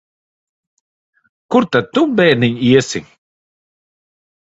Kur tad tu, bērniņ, iesi?